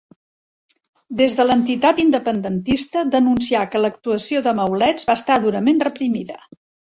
Des de l'entitat independentista denuncià que l'actuació de Maulets va estar durament reprimida.